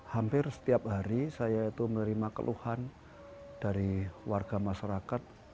hampir setiap hari saya itu menerima keluhan dari warga masyarakat